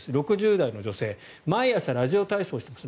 ６０代の女性毎朝、ラジオ体操してます。